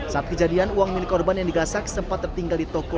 saat kejadian uang milik korban yang digasak sempat tertinggal di toko